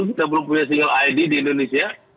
kita belum punya single id di indonesia